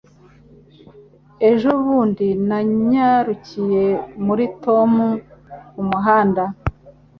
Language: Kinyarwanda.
Ejo bundi, nanyarukiye muri Tom kumuhanda.